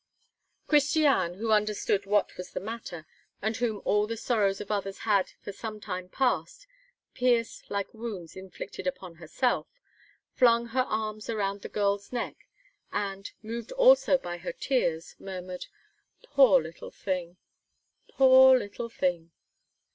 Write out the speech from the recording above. Christiane, who understood what was the matter, and whom all the sorrows of others had, for some time past, pierced like wounds inflicted upon herself, flung her arms around the girl's neck, and, moved also by her tears, murmured: "Poor little thing! poor little thing!"